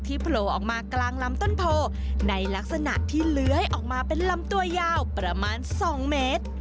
โผล่ออกมากลางลำต้นโพในลักษณะที่เลื้อยออกมาเป็นลำตัวยาวประมาณ๒เมตร